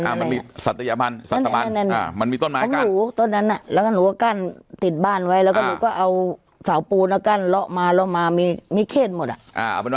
มันมีสัตยบันมันมีต้นไม้กั้นแล้วก็หนูก็กั้นติดบ้านไว้แล้วก็หนูก็เอาเสาปูหน้ากั้นเลาะมาเลาะมามีเข้นหมดอะ